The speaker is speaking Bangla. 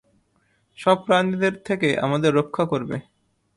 সব প্রাণীদের থেকে আমাদের রক্ষা করবে।